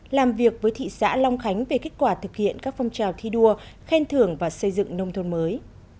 làm việc với thị xã long khánh về kết quả thực hiện các phong trào thi đua khen thưởng và xây dựng nông thôn mới